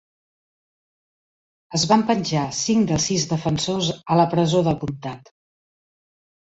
Es van penjar cinc dels sis defensors a la presó del comtat.